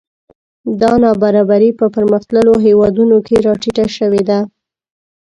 دا نابرابري په پرمختللو هېوادونو کې راټیټه شوې ده